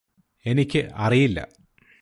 എനിക്ക് അറിയില്ല